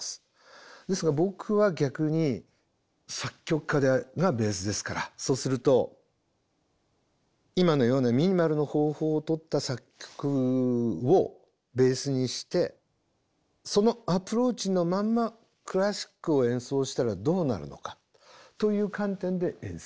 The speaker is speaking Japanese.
ですが僕は逆に作曲家がベースですからそうすると今のようなミニマルの方法をとった作曲をベースにしてそのアプローチのまんまクラシックを演奏したらどうなるのかという観点で演奏しました。